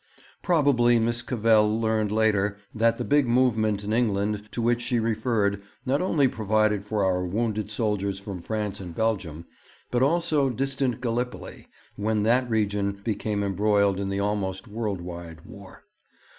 Probably Miss Cavell learned later that the big movement in England to which she referred not only provided for our wounded soldiers from France and Belgium, but also distant Gallipoli, when that region became embroiled in the almost world wide War.